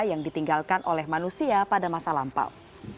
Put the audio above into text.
yang ditinggalkan oleh manusia pada masa lampau